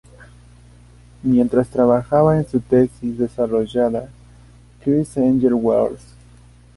Mientras trabajaba en su tesis, desarrollada Chri´s Angel Wars.